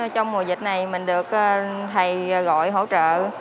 trong mùa dịch này mình được thầy gọi hỗ trợ